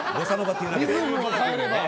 リズムを変えれば。